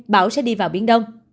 bão sẽ đi vào biển đông